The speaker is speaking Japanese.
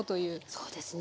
そうですね。